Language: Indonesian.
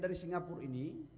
dari singapura ini